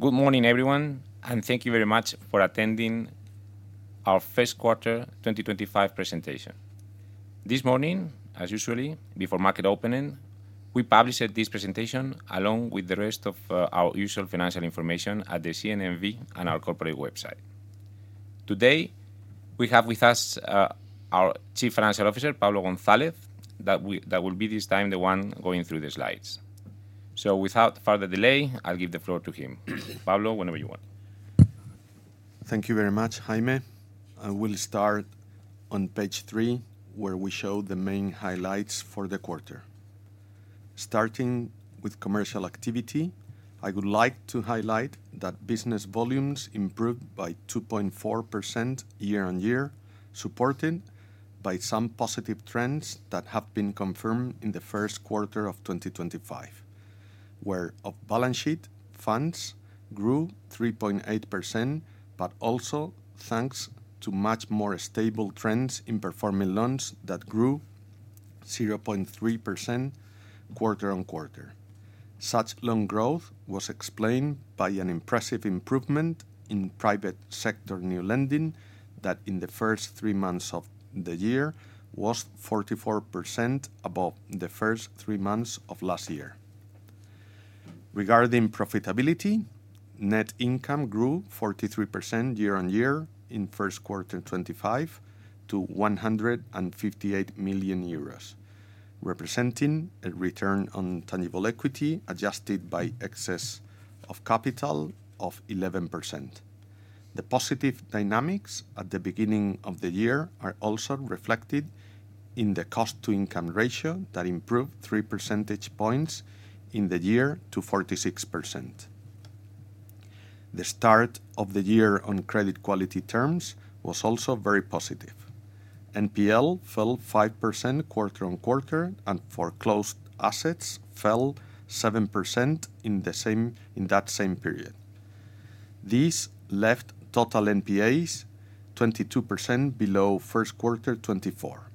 Good morning, everyone, and thank you very much for attending our first quarter 2025 presentation. This morning, as usual, before market opening, we published this presentation along with the rest of our usual financial information at the CNMV and our corporate website. Today, we have with us our Chief Financial Officer, Pablo Gonzalez, that will be this time the one going through the slides. Without further delay, I'll give the floor to him. Pablo, whenever you want. Thank you very much, Jaime. I will start on page three, where we show the main highlights for the quarter. Starting with commercial activity, I would like to highlight that business volumes improved by 2.4% year-on-year, supported by some positive trends that have been confirmed in the first quarter of 2025, where balance sheet funds grew 3.8%, but also thanks to much more stable trends in performing loans that grew 0.3% quarter-on-quarter. Such loan growth was explained by an impressive improvement in private sector new lending that in the first three months of the year was 44% above the first three months of last year. Regarding profitability, net income grew 43% year-on-year in first quarter 2025 to 158 million euros, representing a return on tangible equity adjusted by excess of capital of 11%. The positive dynamics at the beginning of the year are also reflected in the cost-to-income ratio that improved 3 percentage points in the year to 46%. The start of the year on credit quality terms was also very positive. NPL fell 5% quarter-on-quarter, and foreclosed assets fell 7% in that same period. This left total NPAs 22% below first quarter 2024,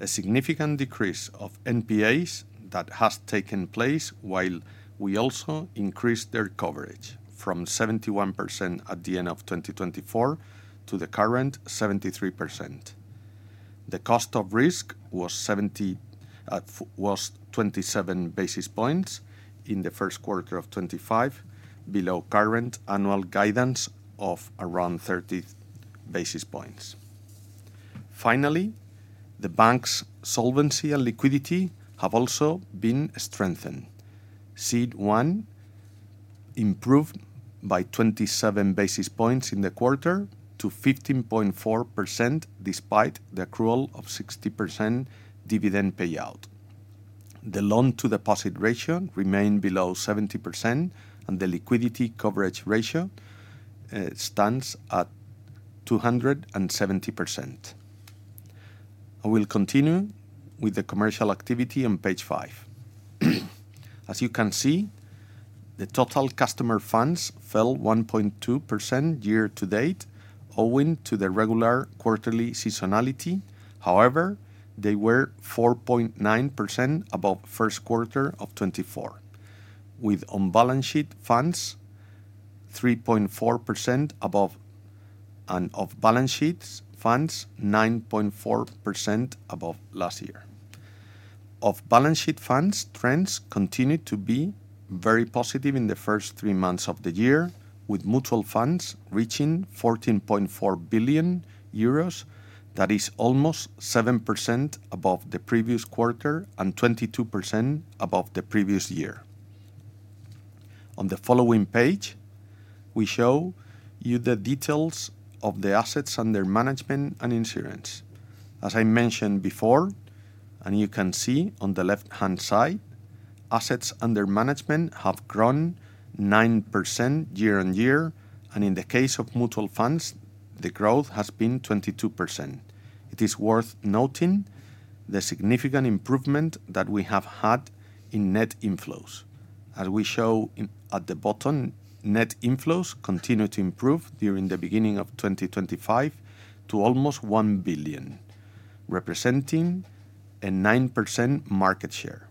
a significant decrease of NPAs that has taken place while we also increased their coverage from 71% at the end of 2024 to the current 73%. The cost of risk was 27 basis points in the first quarter of 2025, below current annual guidance of around 30 basis points. Finally, the bank's solvency and liquidity have also been strengthened. CET1 ratio improved by 27 basis points in the quarter to 15.4% despite the accrual of 60% dividend payout. The loan-to-deposit ratio remained below 70%, and the liquidity coverage ratio stands at 270%. I will continue with the commercial activity on page five. As you can see, the total customer funds fell 1.2% year-to-date, owing to the regular quarterly seasonality. However, they were 4.9% above first quarter of 2024, with on-balance sheet funds 3.4% above and off-balance sheet funds 9.4% above last year. Off-balance sheet funds trends continue to be very positive in the first three months of the year, with mutual funds reaching 14.4 billion euros. That is almost 7% above the previous quarter and 22% above the previous year. On the following page, we show you the details of the assets under management and insurance. As I mentioned before, and you can see on the left-hand side, assets under management have grown 9% year-on-year, and in the case of mutual funds, the growth has been 22%. It is worth noting the significant improvement that we have had in net inflows. As we show at the bottom, net inflows continue to improve during the beginning of 2025 to almost 1 billion, representing a 9% market share.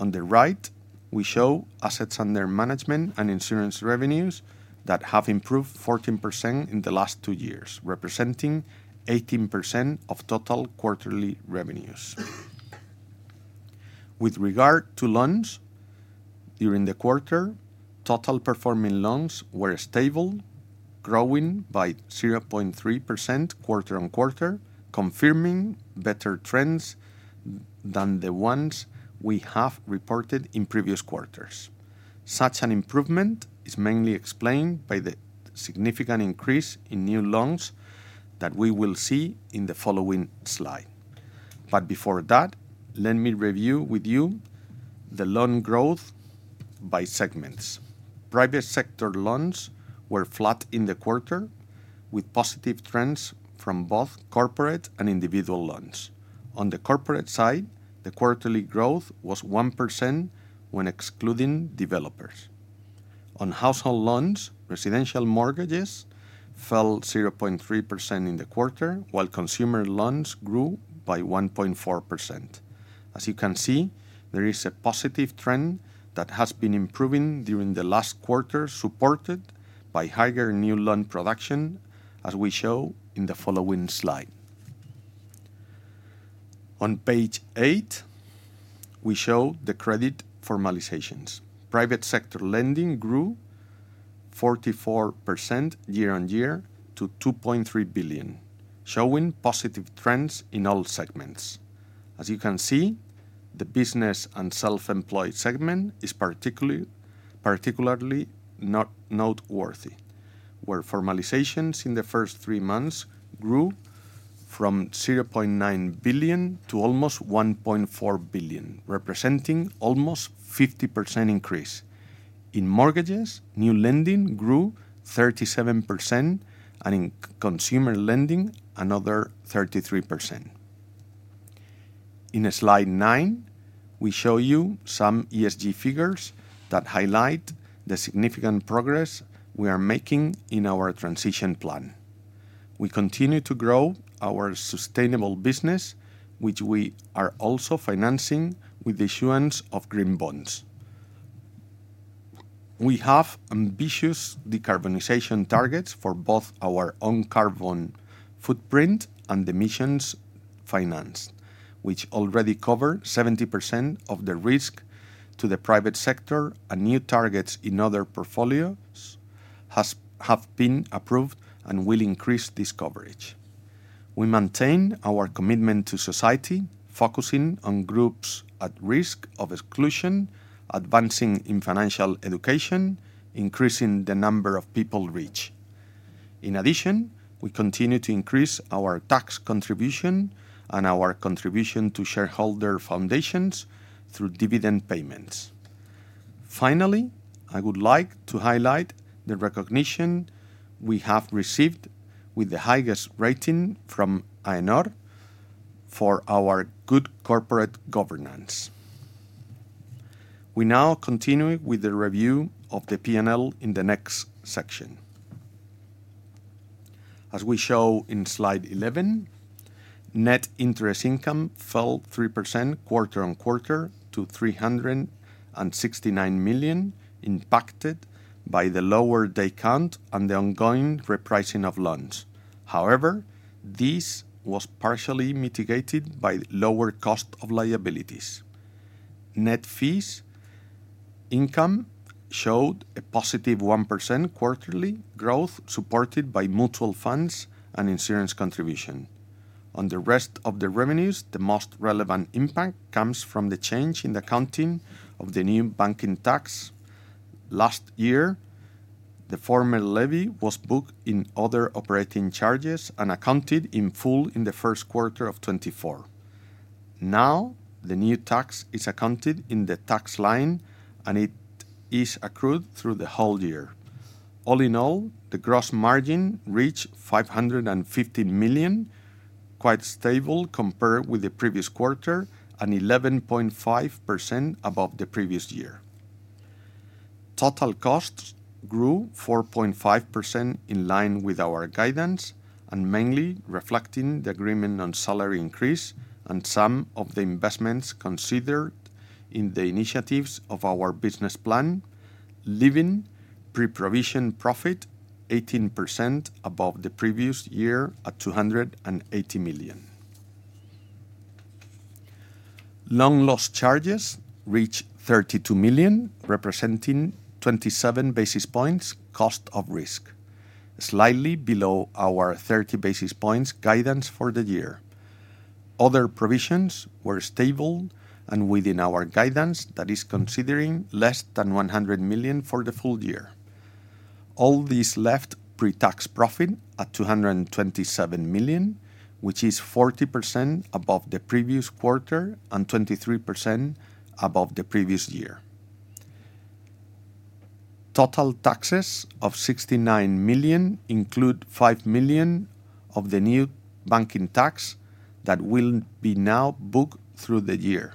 On the right, we show assets under management and insurance revenues that have improved 14% in the last two years, representing 18% of total quarterly revenues. With regard to loans during the quarter, total performing loans were stable, growing by 0.3% quarter-on-quarter, confirming better trends than the ones we have reported in previous quarters. Such an improvement is mainly explained by the significant increase in new loans that we will see in the following slide. Before that, let me review with you the loan growth by segments. Private sector loans were flat in the quarter, with positive trends from both corporate and individual loans. On the corporate side, the quarterly growth was 1% when excluding developers. On household loans, residential mortgages fell 0.3% in the quarter, while consumer loans grew by 1.4%. As you can see, there is a positive trend that has been improving during the last quarter, supported by higher new loan production, as we show in the following slide. On page eight, we show the credit formalizations. Private sector lending grew 44% year-on-year to 2.3 billion, showing positive trends in all segments. As you can see, the business and self-employed segment is particularly noteworthy, where formalizations in the first three months grew from 0.9 billion to almost 1.4 billion, representing almost a 50% increase. In mortgages, new lending grew 37%, and in consumer lending, another 33%. In slide nine, we show you some ESG figures that highlight the significant progress we are making in our transition plan. We continue to grow our sustainable business, which we are also financing with the issuance of green bonds. We have ambitious decarbonization targets for both our own carbon footprint and emissions financed, which already cover 70% of the risk to the private sector, and new targets in other portfolios have been approved and will increase this coverage. We maintain our commitment to society, focusing on groups at risk of exclusion, advancing in financial education, increasing the number of people reached. In addition, we continue to increase our tax contribution and our contribution to shareholder foundations through dividend payments. Finally, I would like to highlight the recognition we have received with the highest rating from AENOR for our good corporate governance. We now continue with the review of the P&L in the next section. As we show in slide 11, net interest income fell 3% quarter-on-quarter to 369 million, impacted by the lower day count and the ongoing repricing of loans. However, this was partially mitigated by lower cost of liabilities. Net fees income showed a positive 1% quarterly growth, supported by mutual funds and insurance contribution. On the rest of the revenues, the most relevant impact comes from the change in the accounting of the new banking tax. Last year, the former levy was booked in other operating charges and accounted in full in the first quarter of 2024. Now, the new tax is accounted in the tax line, and it is accrued through the whole year. All in all, the gross margin reached 550 million, quite stable compared with the previous quarter and 11.5% above the previous year. Total costs grew 4.5% in line with our guidance and mainly reflecting the agreement on salary increase and some of the investments considered in the initiatives of our business plan, leaving pre-provision profit 18% above the previous year at 280 million. Loan loss charges reached 32 million, representing 27 basis points cost of risk, slightly below our 30 basis points guidance for the year. Other provisions were stable and within our guidance that is considering less than 100 million for the full year. All this left pre-tax profit at 227 million, which is 40% above the previous quarter and 23% above the previous year. Total taxes of 69 million include 5 million of the new banking tax that will be now booked through the year,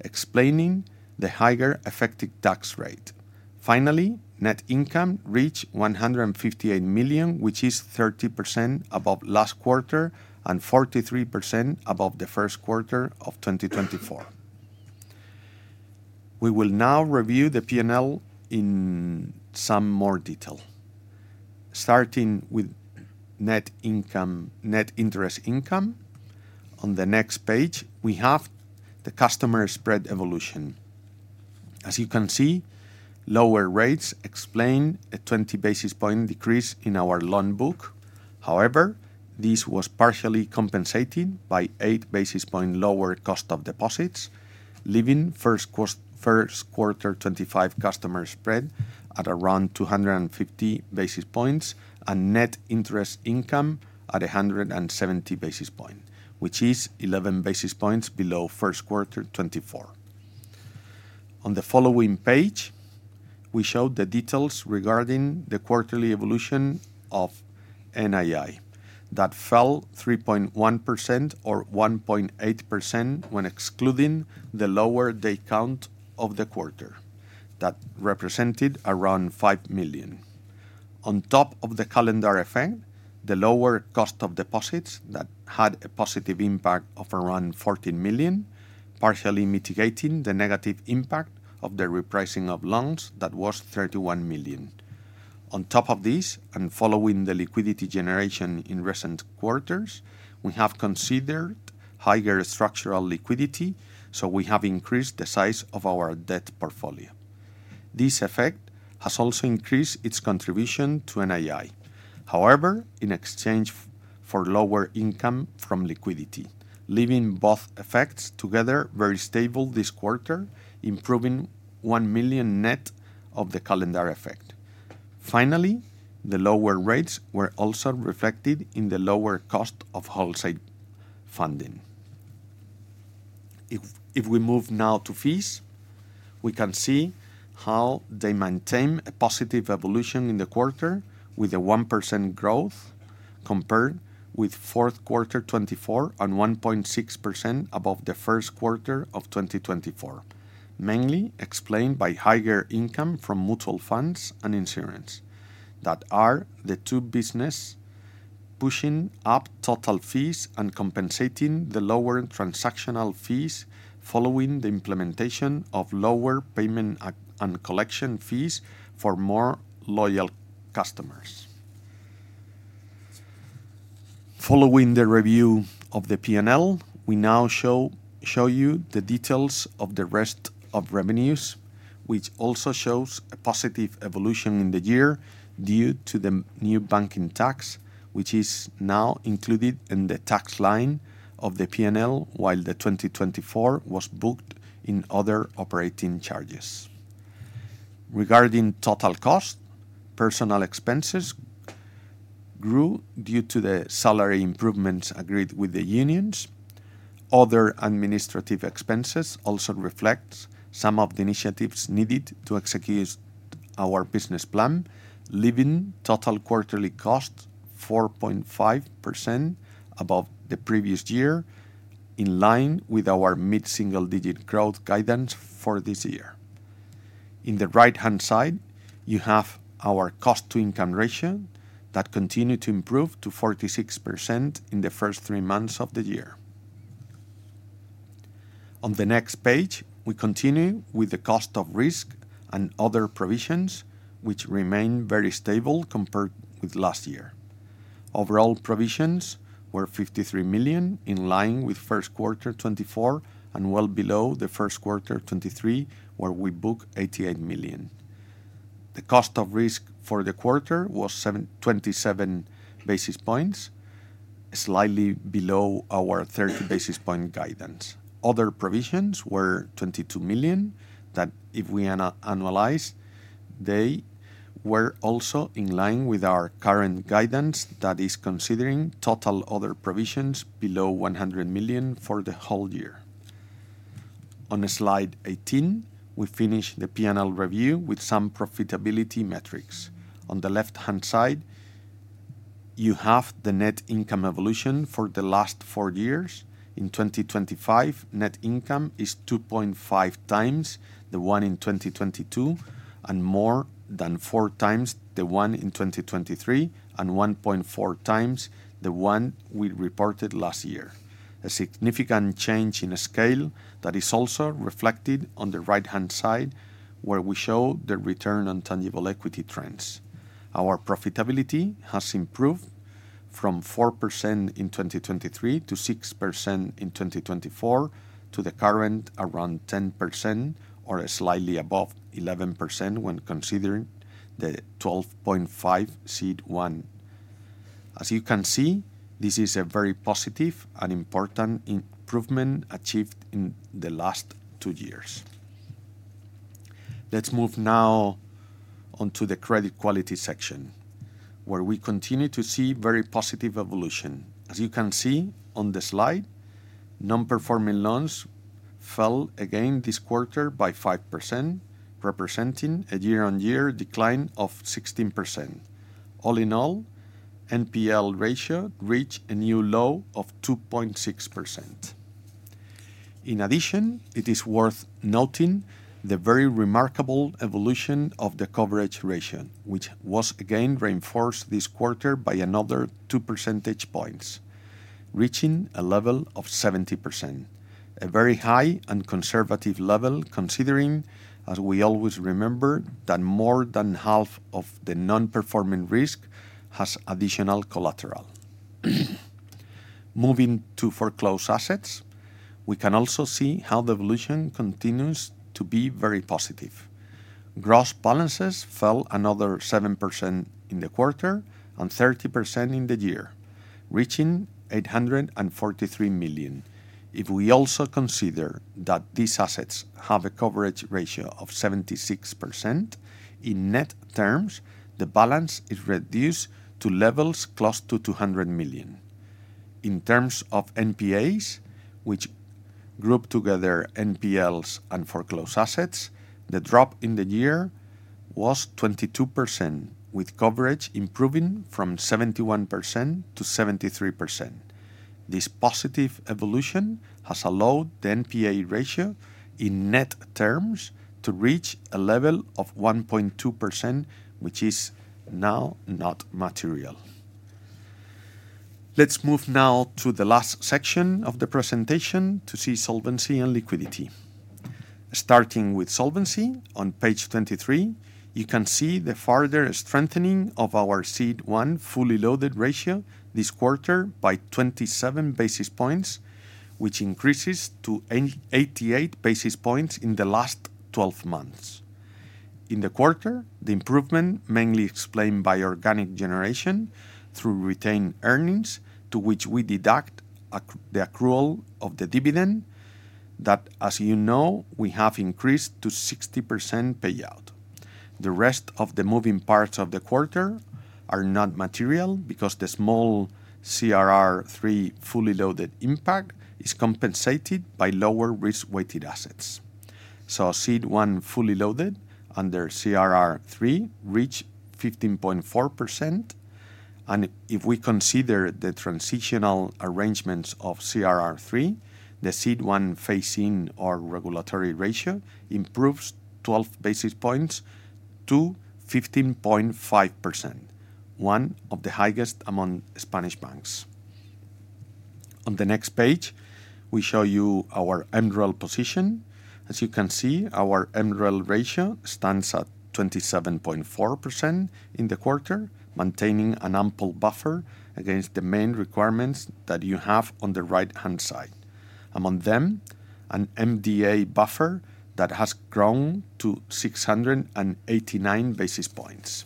explaining the higher effective tax rate. Finally, net income reached 158 million, which is 30% above last quarter and 43% above the first quarter of 2024. We will now review the P&L in some more detail, starting with net interest income. On the next page, we have the customer spread evolution. As you can see, lower rates explain a 20 basis point decrease in our loan book. However, this was partially compensated by 8 basis point lower cost of deposits, leaving first quarter 2025 customer spread at around 250 basis points and net interest income at 170 basis points, which is 11 basis points below first quarter 2024. On the following page, we show the details regarding the quarterly evolution of NII that fell 3.1% or 1.8% when excluding the lower day count of the quarter that represented around 5 million. On top of the calendar effect, the lower cost of deposits that had a positive impact of around 14 million, partially mitigating the negative impact of the repricing of loans that was 31 million. On top of this, and following the liquidity generation in recent quarters, we have considered higher structural liquidity, so we have increased the size of our debt portfolio. This effect has also increased its contribution to NII, however, in exchange for lower income from liquidity, leaving both effects together very stable this quarter, improving 1 million net of the calendar effect. Finally, the lower rates were also reflected in the lower cost of wholesale funding. If we move now to fees, we can see how they maintain a positive evolution in the quarter with a 1% growth compared with fourth quarter 2024 and 1.6% above the first quarter of 2024, mainly explained by higher income from mutual funds and insurance that are the two businesses pushing up total fees and compensating the lower transactional fees following the implementation of lower payment and collection fees for more loyal customers. Following the review of the P&L, we now show you the details of the rest of revenues, which also shows a positive evolution in the year due to the new banking tax, which is now included in the tax line of the P&L, while the 2024 was booked in other operating charges. Regarding total cost, personnel expenses grew due to the salary improvements agreed with the unions. Other administrative expenses also reflect some of the initiatives needed to execute our business plan, leaving total quarterly cost 4.5% above the previous year, in line with our mid-single-digit growth guidance for this year. On the right-hand side, you have our cost-to-income ratio that continued to improve to 46% in the first three months of the year. On the next page, we continue with the cost of risk and other provisions, which remain very stable compared with last year. Overall provisions were 53 million, in line with first quarter 2024 and well below the first quarter 2023, where we booked 88 million. The cost of risk for the quarter was 27 basis points, slightly below our 30 basis point guidance. Other provisions were 22 million that, if we analyze, they were also in line with our current guidance that is considering total other provisions below 100 million for the whole year. On slide 18, we finish the P&L review with some profitability metrics. On the left-hand side, you have the net income evolution for the last four years. In 2025, net income is 2.5x the one in 2022 and more than 4x the one in 2023 and 1.4x the one we reported last year. A significant change in scale that is also reflected on the right-hand side, where we show the return on tangible equity trends. Our profitability has improved from 4% in 2023 to 6% in 2024 to the current around 10% or slightly above 11% when considering the 12.5 CET1. As you can see, this is a very positive and important improvement achieved in the last two years. Let's move now on to the credit quality section, where we continue to see very positive evolution. As you can see on the slide, non-performing loans fell again this quarter by 5%, representing a year-on-year decline of 16%. All in all, NPL ratio reached a new low of 2.6%. In addition, it is worth noting the very remarkable evolution of the coverage ratio, which was again reinforced this quarter by another 2 percentage points, reaching a level of 70%, a very high and conservative level, considering, as we always remember, that more than half of the non-performing risk has additional collateral. Moving to foreclosed assets, we can also see how the evolution continues to be very positive. Gross balances fell another 7% in the quarter and 30% in the year, reaching 843 million. If we also consider that these assets have a coverage ratio of 76%, in net terms, the balance is reduced to levels close to 200 million. In terms of NPAs, which group together NPLs and foreclosed assets, the drop in the year was 22%, with coverage improving from 71%-73%. This positive evolution has allowed the NPA ratio in net terms to reach a level of 1.2%, which is now not material. Let's move now to the last section of the presentation to see solvency and liquidity. Starting with solvency, on page 23, you can see the further strengthening of our CET1 fully loaded ratio this quarter by 27 basis points, which increases to 88 basis points in the last 12 months. In the quarter, the improvement mainly explained by organic generation through retained earnings, to which we deduct the accrual of the dividend that, as you know, we have increased to 60% payout. The rest of the moving parts of the quarter are not material because the small CRR3 fully loaded impact is compensated by lower risk-weighted assets. CET1 fully loaded under CRR3 reached 15.4%. If we consider the transitional arrangements of CRR3, the CET1 phase-in or regulatory ratio improves 12 basis points to 15.5%, one of the highest among Spanish banks. On the next page, we show you our MREL position. As you can see, our MREL ratio stands at 27.4% in the quarter, maintaining an ample buffer against the main requirements that you have on the right-hand side. Among them, an MDA buffer that has grown to 689 basis points.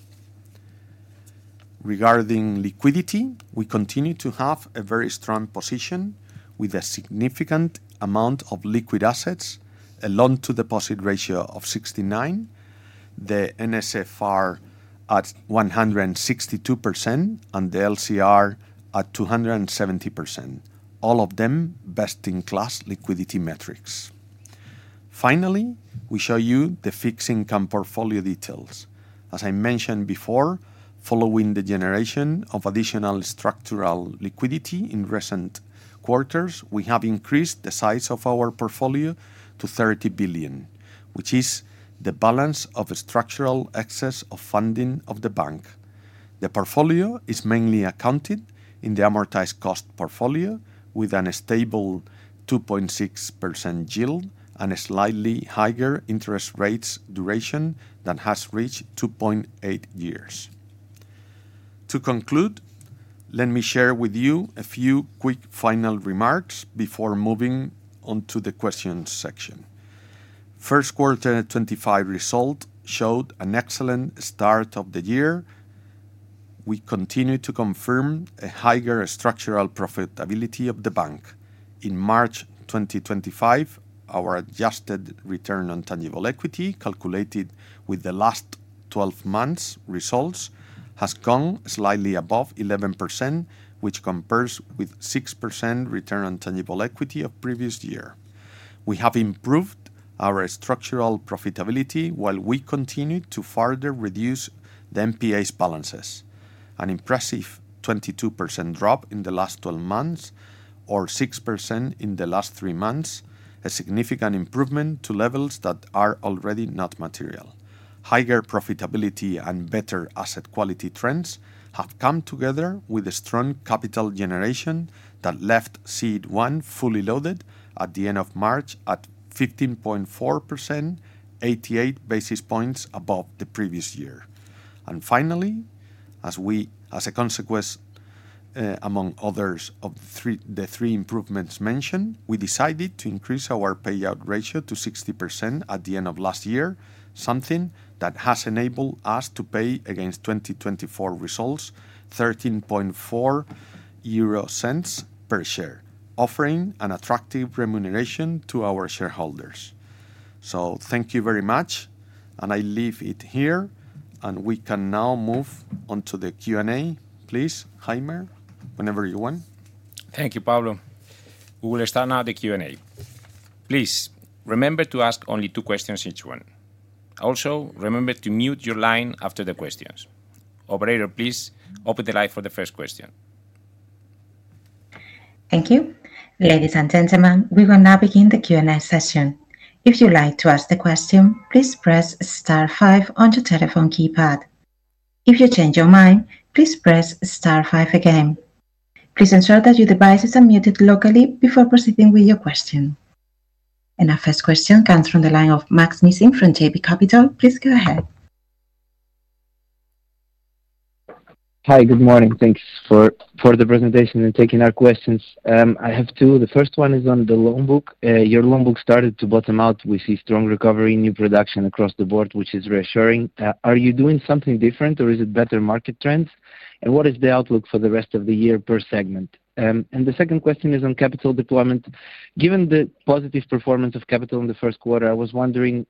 Regarding liquidity, we continue to have a very strong position with a significant amount of liquid assets, a loan-to-deposit ratio of 69%, the NSFR at 162%, and the LCR at 270%, all of them best-in-class liquidity metrics. Finally, we show you the fixed income portfolio details. As I mentioned before, following the generation of additional structural liquidity in recent quarters, we have increased the size of our portfolio to 30 billion, which is the balance of structural excess of funding of the bank. The portfolio is mainly accounted in the amortized cost portfolio with a stable 2.6% yield and a slightly higher interest rate duration that has reached 2.8 years. To conclude, let me share with you a few quick final remarks before moving on to the questions section. First quarter 2025 result showed an excellent start of the year. We continue to confirm a higher structural profitability of the bank. In March 2025, our adjusted return on tangible equity calculated with the last 12 months' results has gone slightly above 11%, which compares with 6% return on tangible equity of the previous year. We have improved our structural profitability while we continue to further reduce the NPA balances, an impressive 22% drop in the last 12 months or 6% in the last three months, a significant improvement to levels that are already not material. Higher profitability and better asset quality trends have come together with a strong capital generation that left CET1 fully loaded at the end of March at 15.4%, 88 basis points above the previous year. Finally, as a consequence, among others, of the three improvements mentioned, we decided to increase our payout ratio to 60% at the end of last year, something that has enabled us to pay against 2024 results 13.4 euro per share, offering an attractive remuneration to our shareholders. Thank you very much, and I leave it here, and we can now move on to the Q&A. Please, Jaime, whenever you want. Thank you, Pablo. We will start now the Q&A. Please remember to ask only two questions each one. Also, remember to mute your line after the questions. Operator, please open the line for the first question. Thank you. Ladies and gentlemen, we will now begin the Q&A session. If you'd like to ask the question, please press star five on your telephone keypad. If you change your mind, please press star five again. Please ensure that your device is unmuted locally before proceeding with your question. Our first question comes from the line of Maksym Mishyn from JB Capital. Please go ahead. Hi, good morning. Thanks for the presentation and taking our questions. I have two. The first one is on the loan book. Your loan book started to bottom out with a strong recovery in new production across the board, which is reassuring. Are you doing something different or is it better market trends? What is the outlook for the rest of the year per segment? The second question is on capital deployment. Given the positive performance of capital in the first quarter, I was wondering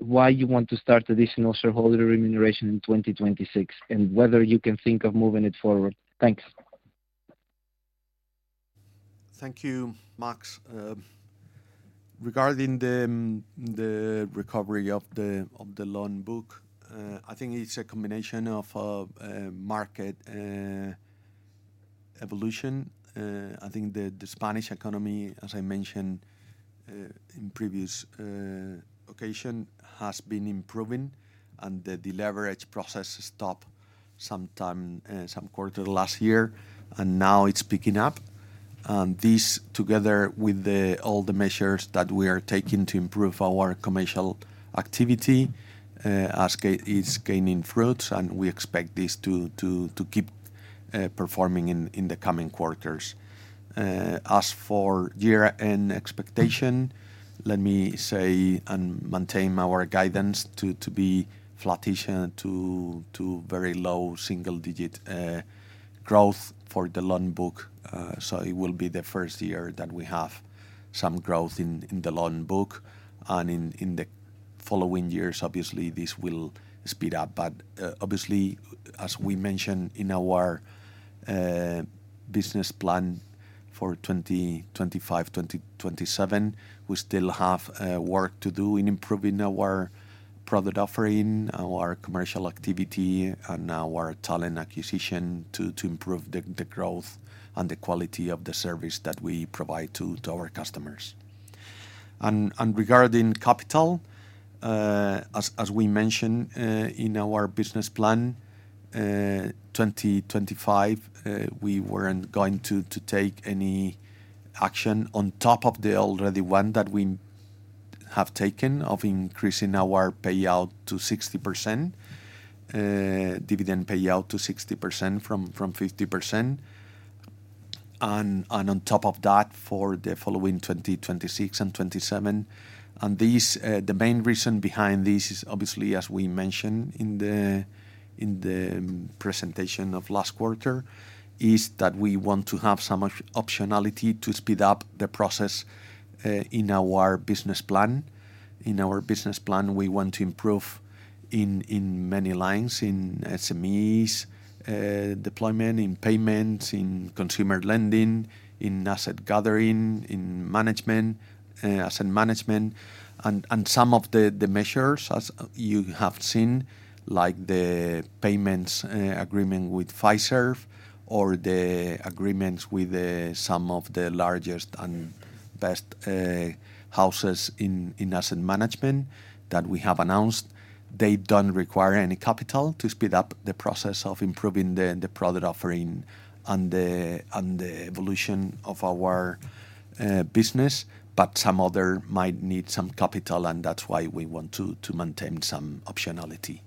why you want to start additional shareholder remuneration in 2026 and whether you can think of moving it forward. Thanks. Thank you, Maksym. Regarding the recovery of the loan book, I think it's a combination of market evolution. I think the Spanish economy, as I mentioned in previous occasions, has been improving, and the leverage process stopped some quarter last year, and now it's picking up. This, together with all the measures that we are taking to improve our commercial activity, is gaining fruits, and we expect this to keep performing in the coming quarters. As for year-end expectation, let me say and maintain our guidance to be flattish to very low single-digit growth for the loan book. It will be the first year that we have some growth in the loan book. In the following years, obviously, this will speed up. Obviously, as we mentioned in our business plan for 2025-2027, we still have work to do in improving our product offering, our commercial activity, and our talent acquisition to improve the growth and the quality of the service that we provide to our customers. Regarding capital, as we mentioned in our business plan, 2025, we were not going to take any action on top of the already one that we have taken of increasing our payout to 60%, dividend payout to 60% from 50%. On top of that for the following 2026 and 2027. The main reason behind this is obviously, as we mentioned in the presentation of last quarter, that we want to have some optionality to speed up the process in our business plan. In our business plan, we want to improve in many lines, in SMEs deployment, in payments, in consumer lending, in asset gathering, in management, asset management. Some of the measures, as you have seen, like the payments agreement with Fiserv or the agreements with some of the largest and best houses in asset management that we have announced, they do not require any capital to speed up the process of improving the product offering and the evolution of our business. Some other might need some capital, and that is why we want to maintain some optionality.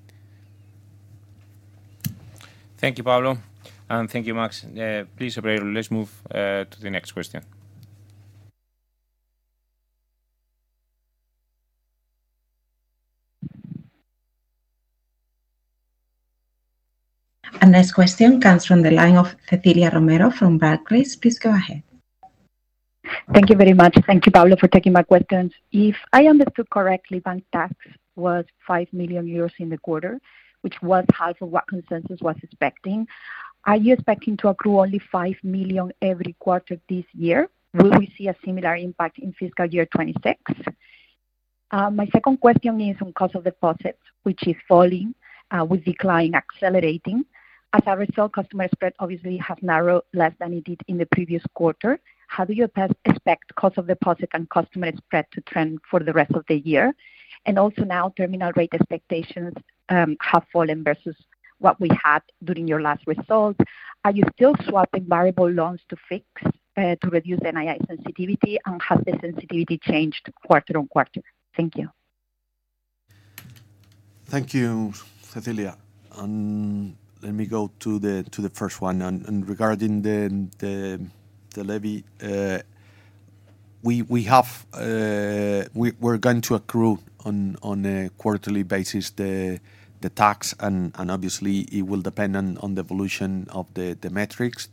Thank you, Pablo. Thank you, Max. Please, let's move to the next question. This question comes from the line of Cecilia Romero from Barclays. Please go ahead. Thank you very much. Thank you, Pablo, for taking my questions. If I understood correctly, bank tax was 5 million euros in the quarter, which was half of what consensus was expecting. Are you expecting to accrue only 5 million every quarter this year? Will we see a similar impact in fiscal year 2026? My second question is on cost of deposits, which is falling with decline accelerating. As a result, customer spread obviously has narrowed less than it did in the previous quarter. How do you expect cost of deposit and customer spread to trend for the rest of the year? Also, now, terminal rate expectations have fallen versus what we had during your last result. Are you still swapping variable loans to fix to reduce NII sensitivity, and has the sensitivity changed quarter-on-quarter? Thank you. Thank you, Cecilia. Let me go to the first one. Regarding the levy, we're going to accrue on a quarterly basis the tax, and obviously, it will depend on the evolution of the metrics,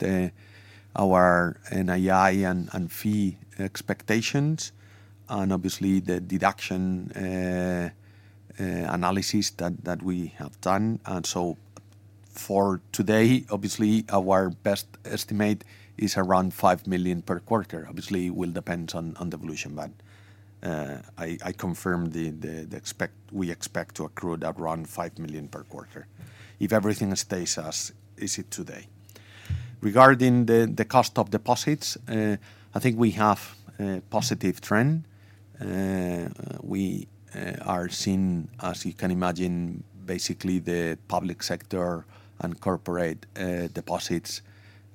our NII and fee expectations, and obviously, the deduction analysis that we have done. For today, obviously, our best estimate is around 5 million per quarter. Obviously, it will depend on the evolution, but I confirm we expect to accrue around 5 million per quarter if everything stays as it is today. Regarding the cost of deposits, I think we have a positive trend. We are seeing, as you can imagine, basically the public sector and corporate deposits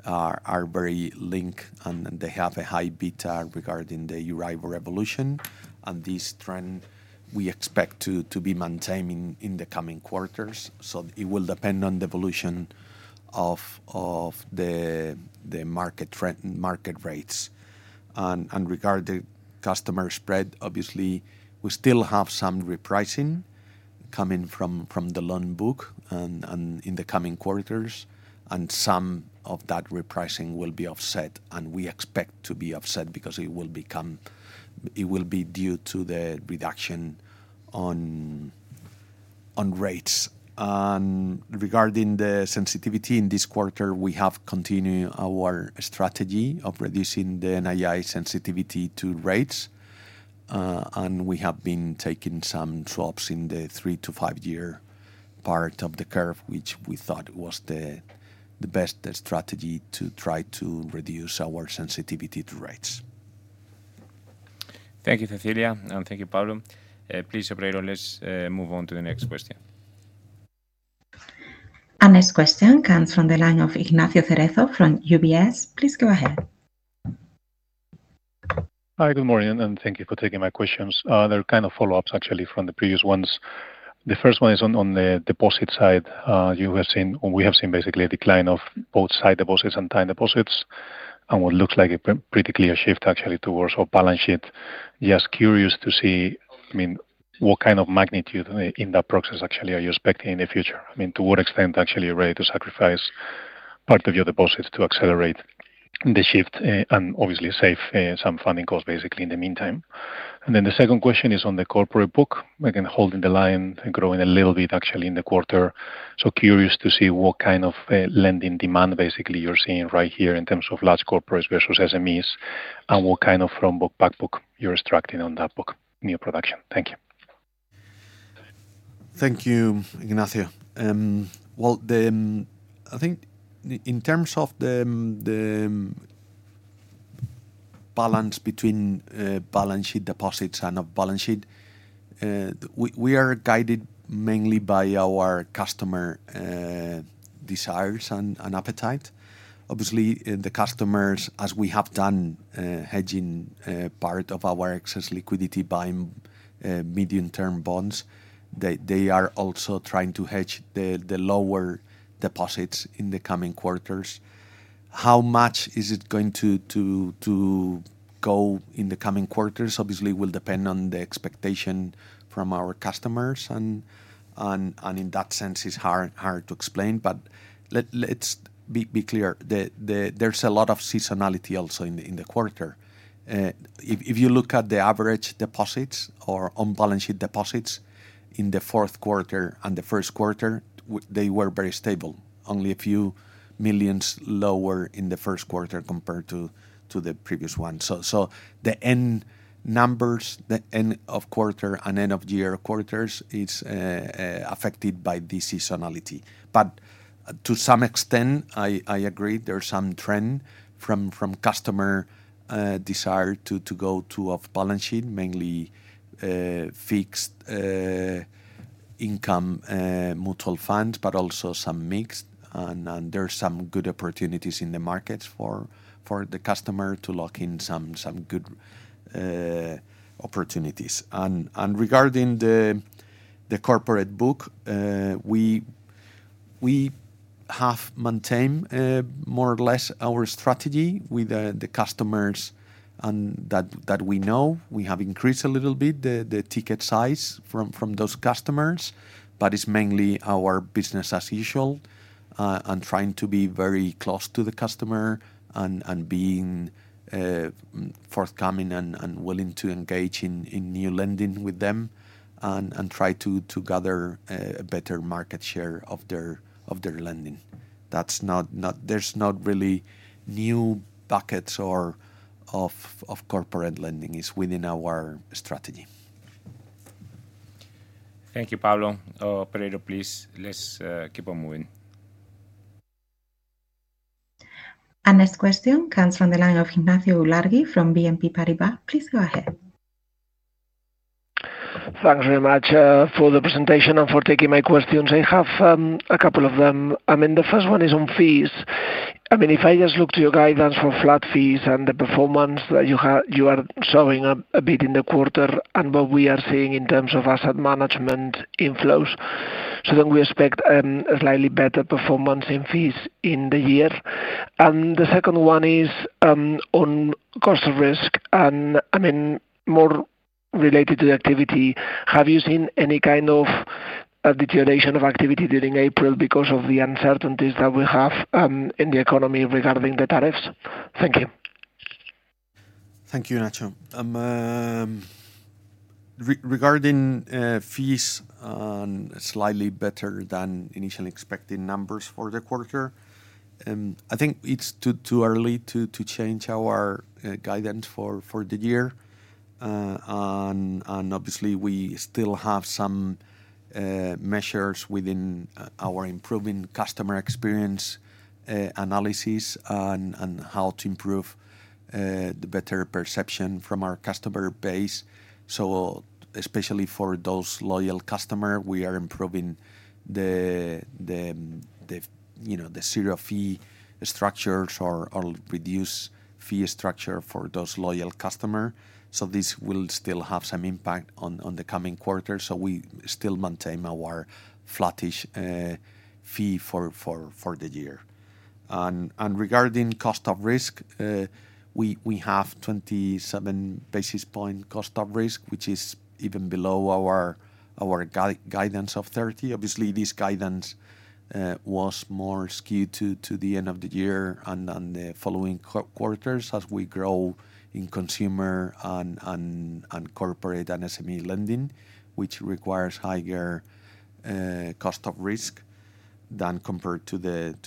are very linked, and they have a high beta regarding the Euribor evolution. This trend, we expect to be maintained in the coming quarters. It will depend on the evolution of the market rates. Regarding customer spread, obviously, we still have some repricing coming from the loan book in the coming quarters, and some of that repricing will be offset, and we expect to be offset because it will be due to the reduction on rates. Regarding the sensitivity in this quarter, we have continued our strategy of reducing the NII sensitivity to rates, and we have been taking some swaps in the three to five-year part of the curve, which we thought was the best strategy to try to reduce our sensitivity to rates. Thank you, Cecilia, and thank you, Pablo. Please, Operator let's, move on to the next question. This question comes from the line of Ignacio Cerezo from UBS. Please go ahead. Hi, good morning, and thank you for taking my questions. There are kind of follow-ups actually from the previous ones. The first one is on the deposit side. We have seen basically a decline of both sight deposits and time deposits, and what looks like a pretty clear shift actually towards a balance sheet. Just curious to see, I mean, what kind of magnitude in that process actually are you expecting in the future? I mean, to what extent actually you're ready to sacrifice part of your deposits to accelerate the shift and obviously save some funding costs basically in the meantime. The second question is on the corporate book. Again, holding the line and growing a little bit actually in the quarter. Curious to see what kind of lending demand basically you're seeing right here in terms of large corporates versus SMEs and what kind of front book, back book you're extracting on that book, new production. Thank you. Thank you, Ignacio. I think in terms of the balance between balance sheet deposits and a balance sheet, we are guided mainly by our customer desires and appetite. Obviously, the customers, as we have done hedging part of our excess liquidity buying medium-term bonds, they are also trying to hedge the lower deposits in the coming quarters. How much is it going to go in the coming quarters? Obviously, it will depend on the expectation from our customers, and in that sense, it's hard to explain. Let's be clear, there's a lot of seasonality also in the quarter. If you look at the average deposits or unbalance sheet deposits in the fourth quarter and the first quarter, they were very stable, only a few millions lower in the first quarter compared to the previous one. The end numbers, the end of quarter and end of year quarters is affected by this seasonality. To some extent, I agree there's some trend from customer desire to go to a balance sheet, mainly fixed income mutual funds, but also some mixed. There's some good opportunities in the markets for the customer to lock in some good opportunities. Regarding the corporate book, we have maintained more or less our strategy with the customers that we know. We have increased a little bit the ticket size from those customers, but it's mainly our business as usual and trying to be very close to the customer and being forthcoming and willing to engage in new lending with them and try to gather a better market share of their lending. There's not really new buckets of corporate lending. It's within our strategy. Thank you, Pablo. Operator, please, let's keep on moving. This question comes from the line of Ignacio Ulargui from BNP Paribas. Please go ahead. Thanks very much for the presentation and for taking my questions. I have a couple of them. I mean, the first one is on fees. I mean, if I just look to your guidance for flat fees and the performance that you are showing a bit in the quarter and what we are seeing in terms of asset management inflows, we expect a slightly better performance in fees in the year. The second one is on cost of risk and, I mean, more related to the activity. Have you seen any kind of deterioration of activity during April because of the uncertainties that we have in the economy regarding the tariffs? Thank you. Thank you, Ignacio. Regarding fees, slightly better than initially expected numbers for the quarter. I think it's too early to change our guidance for the year. Obviously, we still have some measures within our improving customer experience analysis and how to improve the better perception from our customer base. Especially for those loyal customers, we are improving the zero fee structures or reduced fee structure for those loyal customers. This will still have some impact on the coming quarter. We still maintain our flattish fee for the year. Regarding cost of risk, we have 27 basis points cost of risk, which is even below our guidance of 30. Obviously, this guidance was more skewed to the end of the year and the following quarters as we grow in consumer and corporate and SME lending, which requires higher cost of risk than compared to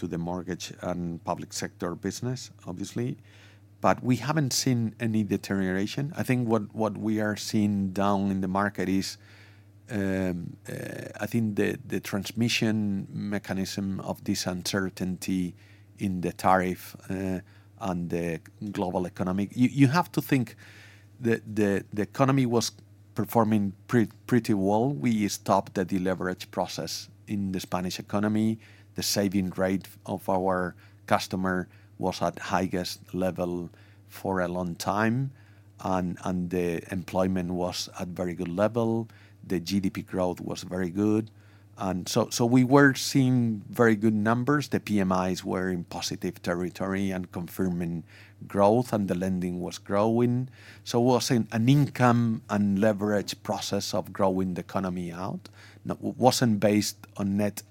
the mortgage and public sector business, obviously. We haven't seen any deterioration. I think what we are seeing down in the market is, I think, the transmission mechanism of this uncertainty in the tariff and the global economy. You have to think the economy was performing pretty well. We stopped the deleveraged process in the Spanish economy. The saving rate of our customer was at highest level for a long time, and the employment was at very good level. The GDP growth was very good. We were seeing very good numbers. The PMIs were in positive territory and confirming growth, and the lending was growing. It was an income and leverage process of growing the economy out. It wasn't based on net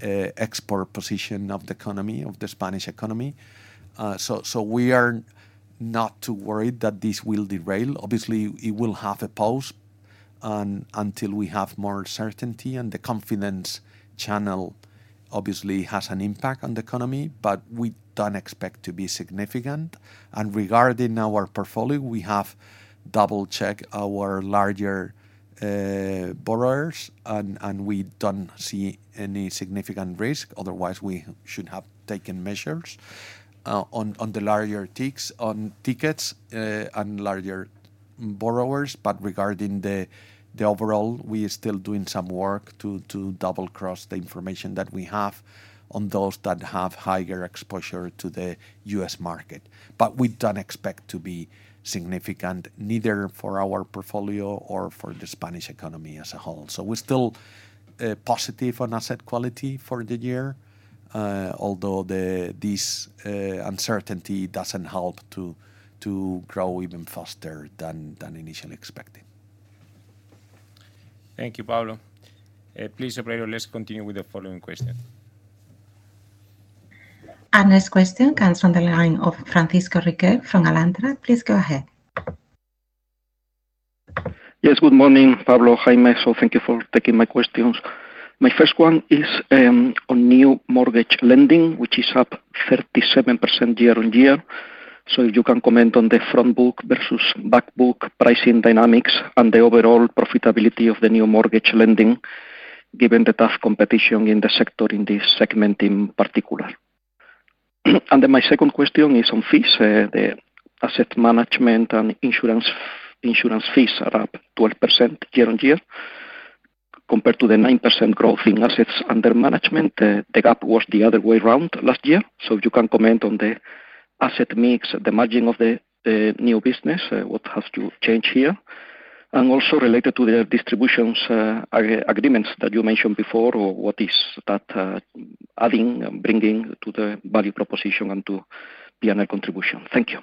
export position of the economy, of the Spanish economy. We are not too worried that this will derail. Obviously, it will have a pause until we have more certainty, and the confidence channel obviously has an impact on the economy, but we don't expect to be significant. Regarding our portfolio, we have double-checked our larger borrowers, and we don't see any significant risk. Otherwise, we should have taken measures on the larger tickets and larger borrowers. Regarding the overall, we are still doing some work to double-cross the information that we have on those that have higher exposure to the U.S. market. We don't expect to be significant neither for our portfolio or for the Spanish economy as a whole. We're still positive on asset quality for the year, although this uncertainty does not help to grow even faster than initially expected. Thank you, Pablo. Please, Operator, let's continue with the following question. This question comes from the line of Francisco Riquel from Alantra. Please go ahead. Yes, good morning, Pablo. Thank you for taking my questions. My first one is on new mortgage lending, which is up 37% year-on-year. If you can comment on the front book versus back book pricing dynamics and the overall profitability of the new mortgage lending given the tough competition in the sector in this segment in particular. My second question is on fees. The asset management and insurance fees are up 12% year-on-year compared to the 9% growth in assets under management. The gap was the other way around last year. If you can comment on the asset mix, the margin of the new business, what has to change here? Also, related to the distribution agreements that you mentioned before, what is that adding and bringing to the value proposition and to the annual contribution? Thank you.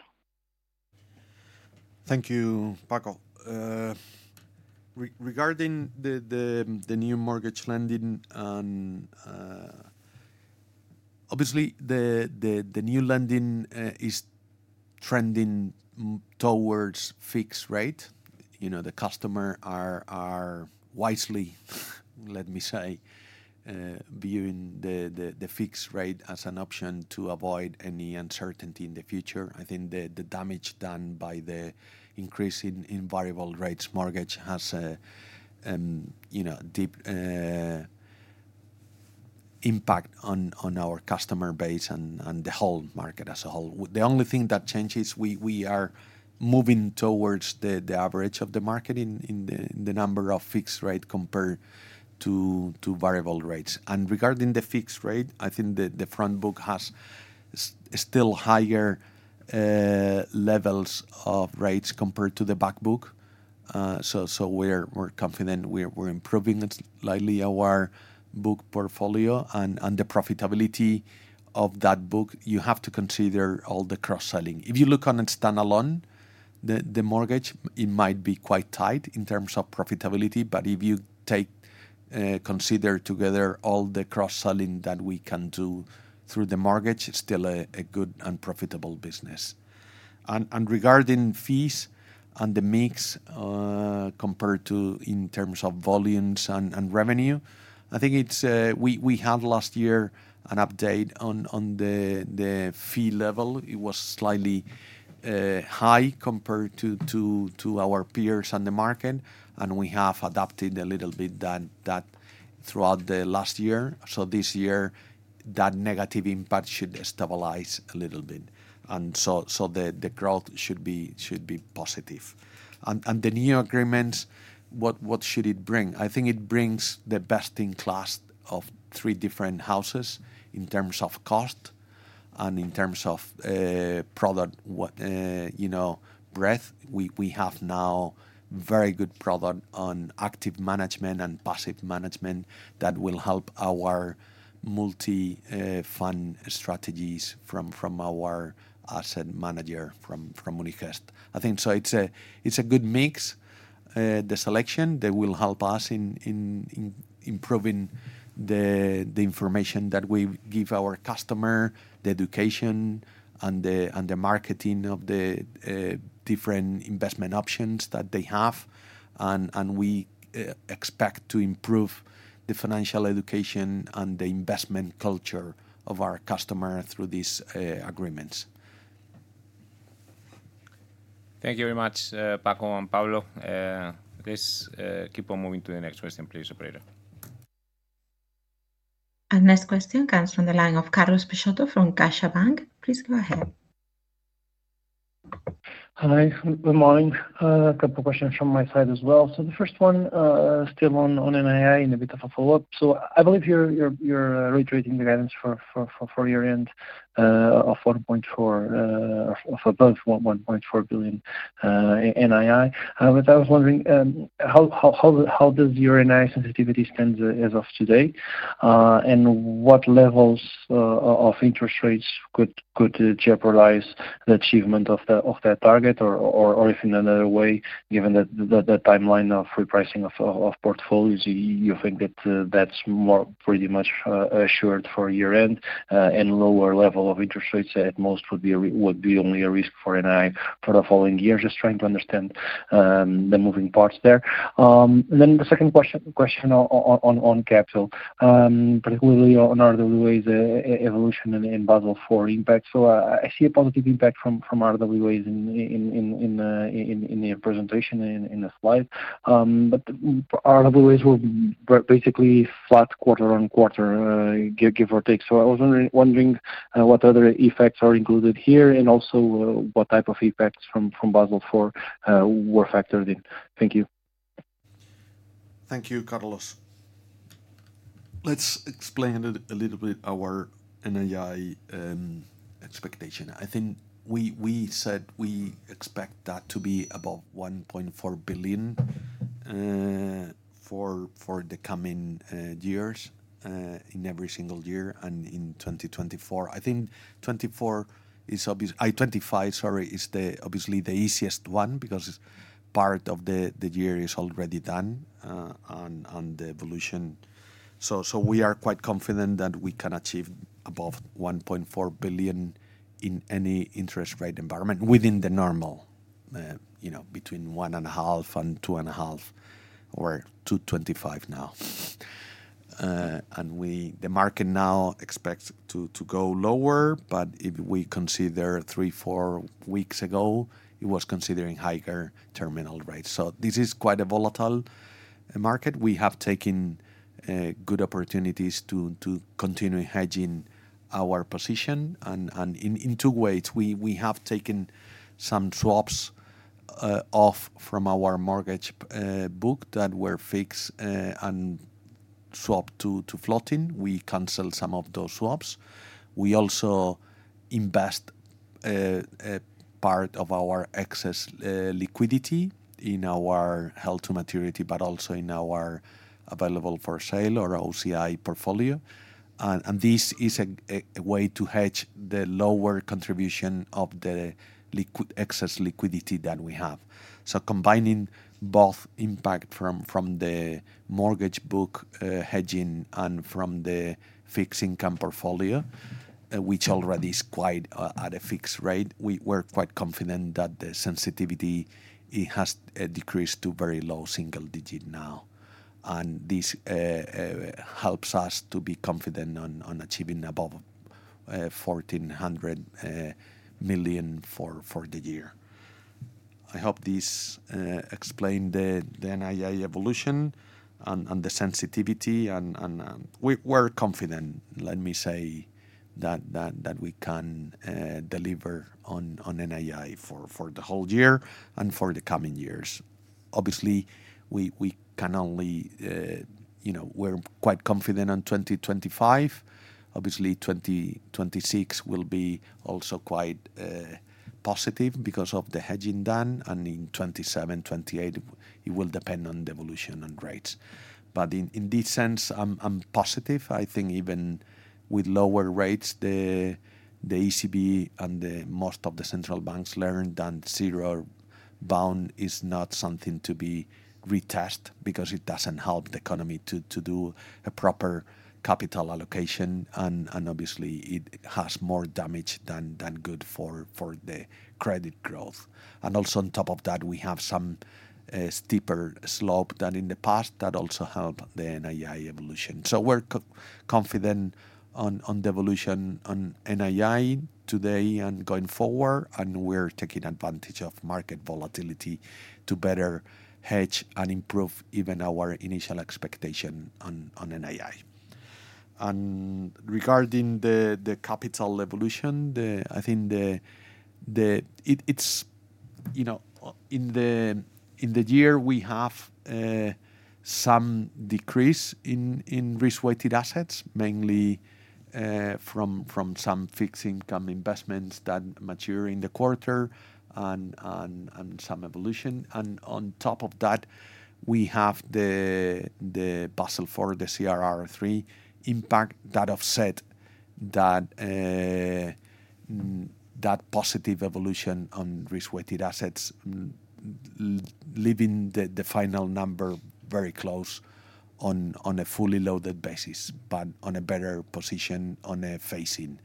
Thank you. Regarding the new mortgage lending, obviously, the new lending is trending towards fixed rate. The customers are wisely, let me say, viewing the fixed rate as an option to avoid any uncertainty in the future. I think the damage done by the increase in variable rates mortgage has a deep impact on our customer base and the whole market as a whole. The only thing that changes is we are moving towards the average of the market in the number of fixed rates compared to variable rates. Regarding the fixed rate, I think the front book has still higher levels of rates compared to the back book. We are confident we are improving slightly our book portfolio and the profitability of that book. You have to consider all the cross-selling. If you look on it standalone, the mortgage, it might be quite tight in terms of profitability, but if you consider together all the cross-selling that we can do through the mortgage, it is still a good and profitable business. Regarding fees and the mix compared to in terms of volumes and revenue, I think we had last year an update on the fee level. It was slightly high compared to our peers and the market, and we have adapted a little bit that throughout the last year. This year, that negative impact should stabilize a little bit. The growth should be positive. The new agreements, what should it bring? I think it brings the best in class of three different houses in terms of cost and in terms of product breadth. We have now very good product on active management and passive management that will help our multi-fund strategies from our asset manager from Unigest. I think so it's a good mix. The selection, they will help us in improving the information that we give our customer, the education and the marketing of the different investment options that they have. We expect to improve the financial education and the investment culture of our customer through these agreements. Thank you very much, Riquel and Pablo. Let's keep on moving to the next question, please, Operator. This question comes from the line of Carlos Peixoto from CaixaBank. Please go ahead. Hi, good morning. A couple of questions from my side as well. The first one still on NII in a bit of a follow-up. I believe you're reiterating the guidance for year end of 1.4 billion, of above 1.4 billion NII. I was wondering, how does your NII sensitivity stand as of today? What levels of interest rates could jeopardize the achievement of that target? Or, put another way, given the timeline of repricing of portfolios, do you think that is pretty much assured for year end and lower levels of interest rates at most would only be a risk for NII for the following year? Just trying to understand the moving parts there. The second question on capital, particularly on RWAs evolution and Basel IV impact. I see a positive impact from RWAs in your presentation in the slide. RWAs were basically flat quarter-on-quarter, give or take. I was wondering what other effects are included here and also what type of effects from Basel IV were factored in. Thank you. Thank you, Carlos. Let's explain a little bit our NII expectation. I think we said we expect that to be above 1.4 billion for the coming years in every single year and in 2024. I think 2024 is obviously 2025, sorry, is obviously the easiest one because part of the year is already done and the evolution. We are quite confident that we can achieve above 1.4 billion in any interest rate environment within the normal between one and a half and two and a half or 2.25 now. The market now expects to go lower, but if we consider three, four weeks ago, it was considering higher terminal rates. This is quite a volatile market. We have taken good opportunities to continue hedging our position. In two ways, we have taken some swaps off from our mortgage book that were fixed and swapped to floating. We canceled some of those swaps. We also invest part of our excess liquidity in our held to maturity, but also in our available for sale or OCI portfolio. This is a way to hedge the lower contribution of the excess liquidity that we have. Combining both impact from the mortgage book hedging and from the fixed income portfolio, which already is quite at a fixed rate, we were quite confident that the sensitivity has decreased to very low single digit now. This helps us to be confident on achieving above 1,400 million for the year. I hope this explained the NII evolution and the sensitivity. We're confident, let me say, that we can deliver on NII for the whole year and for the coming years. Obviously, we're quite confident on 2025. Obviously, 2026 will be also quite positive because of the hedging done. In 2027, 2028, it will depend on the evolution on rates. In this sense, I'm positive. I think even with lower rates, the ECB and most of the central banks learned that zero-bound is not something to be retested because it doesn't help the economy to do a proper capital allocation. Obviously, it has more damage than good for the credit growth. Also, on top of that, we have some steeper slope than in the past that also helped the NII evolution. We're confident on the evolution on NII today and going forward. We are taking advantage of market volatility to better hedge and improve even our initial expectation on NII. Regarding the capital evolution, I think in the year we have some decrease in risk-weighted assets, mainly from some fixed income investments that mature in the quarter and some evolution. On top of that, we have the Basel IV, the CRR3 impact that offset that positive evolution on risk-weighted assets, leaving the final number very close on a fully loaded basis, but in a better position on a phasing.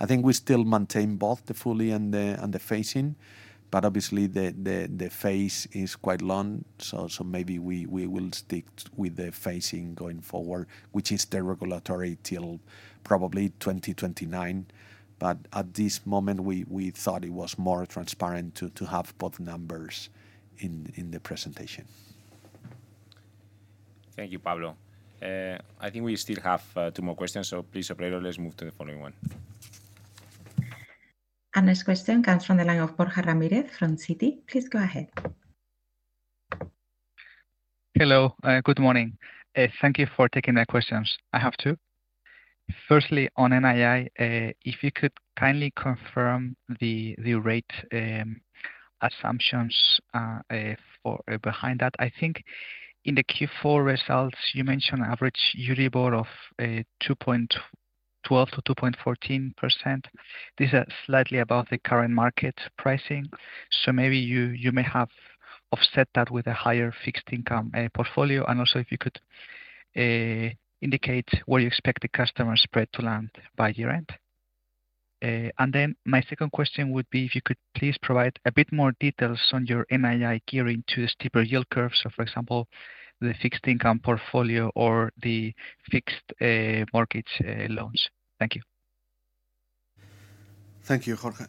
I think we still maintain both the fully and the phasing, but obviously, the phase is quite long. Maybe we will stick with the phasing going forward, which is deregulatory till probably 2029. At this moment, we thought it was more transparent to have both numbers in the presentation. Thank you, Pablo. I think we still have two more questions. Please, Operator, let's move to the following one. This question comes from the line of Borja Ramírez from Citi. Please go ahead. Hello, good morning. Thank you for taking my questions. I have two. Firstly, on NII, if you could kindly confirm the rate assumptions behind that. I think in the Q4 results, you mentioned average Euribor of 2.12-2.14%. This is slightly above the current market pricing. Maybe you may have offset that with a higher fixed income portfolio. Also, if you could indicate where you expect the customer spread to land by year-end. My second question would be if you could please provide a bit more details on your NII gearing to the steeper yield curve. For example, the fixed income portfolio or the fixed mortgage loans. Thank you. Thank you, Borja.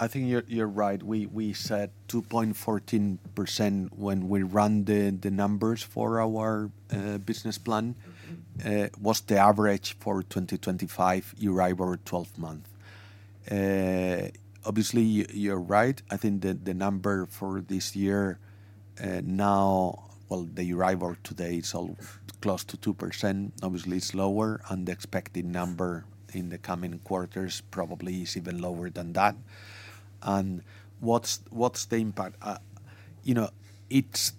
I think you're right. We said 2.14% when we ran the numbers for our business plan was the average for 2025, Euribor over 12 months. Obviously, you're right. I think the number for this year now, the Euribor today is close to 2%. Obviously, it's lower. The expected number in the coming quarters probably is even lower than that. What's the impact? It's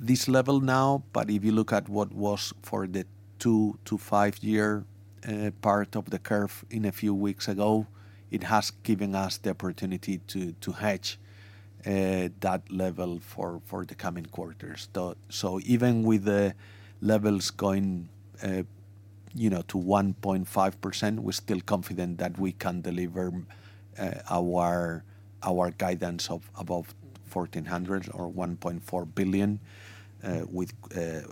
this level now, but if you look at what was for the two- to five-year part of the curve a few weeks ago, it has given us the opportunity to hedge that level for the coming quarters. Even with the levels going to 1.5%, we're still confident that we can deliver our guidance of above 1.4 billion with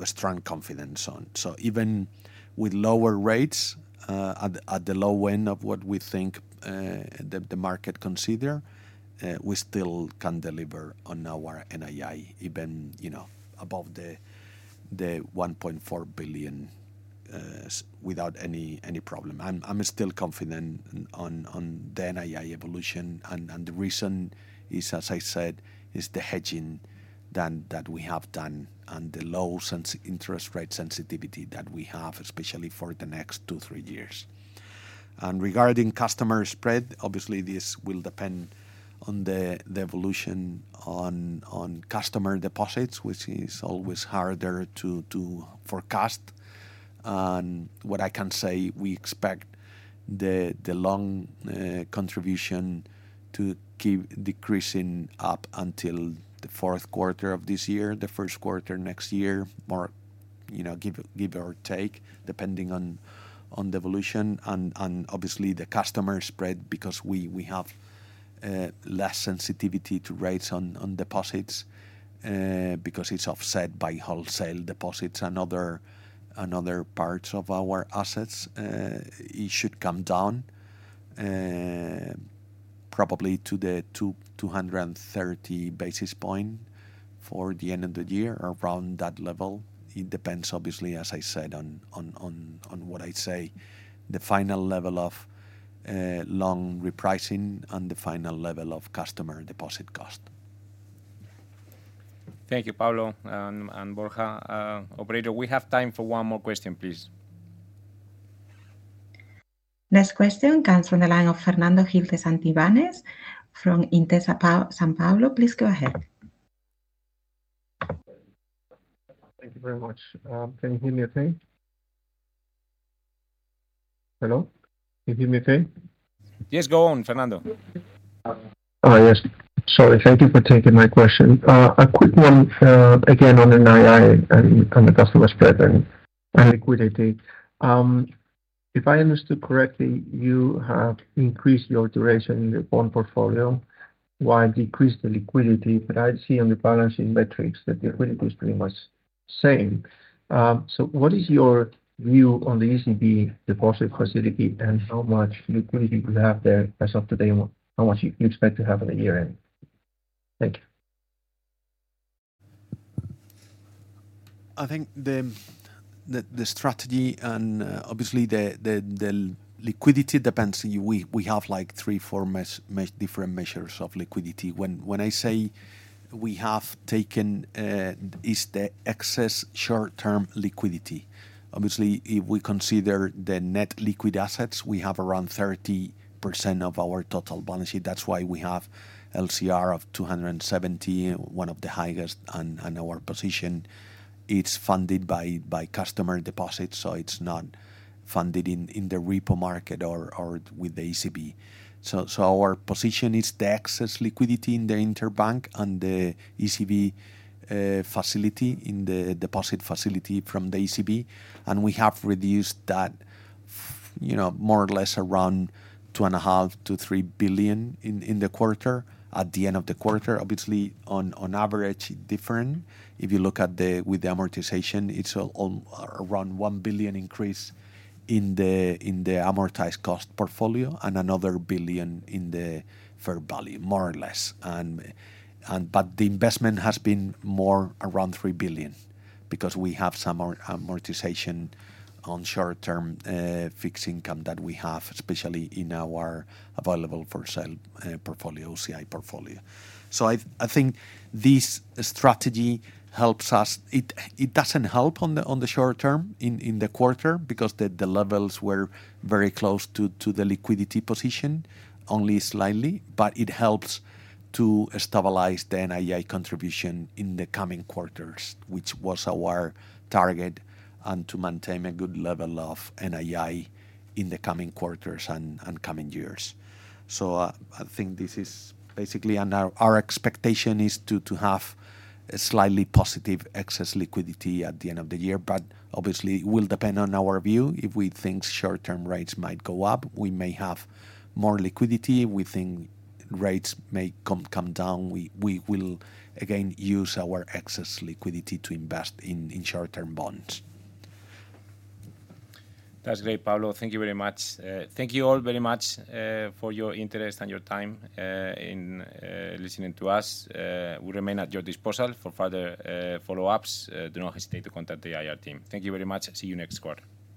strong confidence on. Even with lower rates at the low end of what we think the market consider, we still can deliver on our NII even above 1.4 billion without any problem. I'm still confident on the NII evolution. The reason is, as I said, the hedging that we have done and the low interest rate sensitivity that we have, especially for the next two to three years. Regarding customer spread, obviously, this will depend on the evolution on customer deposits, which is always harder to forecast. What I can say, we expect the long contribution to keep decreasing up until the fourth quarter of this year, the first quarter next year, give or take, depending on the evolution. Obviously, the customer spread because we have less sensitivity to rates on deposits because it is offset by wholesale deposits and other parts of our assets, it should come down probably to the 230 basis points for the end of the year, around that level. It depends, obviously, as I said, on what I say, the final level of long repricing and the final level of customer deposit cost. Thank you, Pablo and Borja. Operator, we have time for one more question, please. This question comes from the line of Fernando Gil de Santibañes from Intesa Sanpaolo. Please go ahead. Thank you very much. Can you hear me okay? Hello? Can you hear me okay? Yes, go on, Fernando. Yes. Sorry, thank you for taking my question. A quick one again on NII and the customer spread and liquidity. If I understood correctly, you have increased your duration in the bond portfolio while decreased the liquidity, but I see on the balancing metrics that the liquidity is pretty much the same. What is your view on the ECB deposit facility and how much liquidity you have there as of today? How much do you expect to have at the year-end? Thank you. I think the strategy and obviously the liquidity depends. We have like three, four different measures of liquidity. When I say we have taken, it's the excess short-term liquidity. Obviously, if we consider the net liquid assets, we have around 30% of our total balance sheet. That is why we have LCR of 270%, one of the highest, and our position is funded by customer deposits. It is not funded in the repo market or with the ECB. Our position is the excess liquidity in the interbank and the ECB facility in the deposit facility from the ECB. We have reduced that more or less around 2.5 billion-3 billion in the quarter at the end of the quarter. Obviously, on average, it's different. If you look at the with the amortization, it's around 1 billion increase in the amortized cost portfolio and another 1 billion in the fair value, more or less. The investment has been more around 3 billion because we have some amortization on short-term fixed income that we have, especially in our available for sale portfolio, OCI portfolio. I think this strategy helps us. It does not help on the short term in the quarter because the levels were very close to the liquidity position, only slightly, but it helps to stabilize the NII contribution in the coming quarters, which was our target, and to maintain a good level of NII in the coming quarters and coming years. I think this is basically our expectation is to have a slightly positive excess liquidity at the end of the year, but obviously, it will depend on our view. If we think short-term rates might go up, we may have more liquidity. If we think rates may come down, we will again use our excess liquidity to invest in short-term bonds. That is great, Pablo. Thank you very much. Thank you all very much for your interest and your time in listening to us. We remain at your disposal for further follow-ups. Do not hesitate to contact the IR team. Thank you very much. See you next quarter.